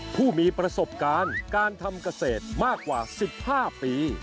ผู้มีประสบการณ์การทำเกษตรมากกว่า๑๕ปี